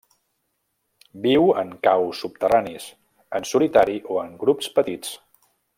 Viu en caus subterranis, en solitari o en grups petits.